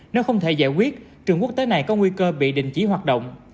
nếu không thể giải quyết trường quốc tế này có nguy cơ bị đình chỉ hoạt động